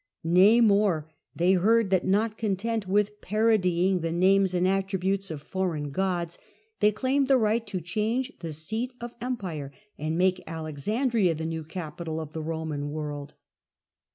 Nay, more, they heard that not content with parodying the names and attributes ol foreign gods, they claimed the right to change the seat ol empire and make Alexandria the new capital of the Roman world.